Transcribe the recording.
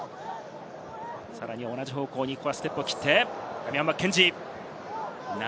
同じ方向にステップを切って、ダミアン・マッケンジー。